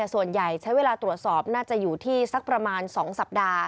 ส่วนใหญ่ใช้เวลาตรวจสอบน่าจะอยู่ที่สักประมาณ๒สัปดาห์